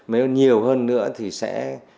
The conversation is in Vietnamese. nếu nhiều hơn nữa thì sẽ